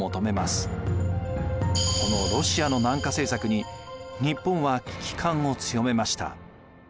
このロシアの南下政策に日本は危機感を強めました。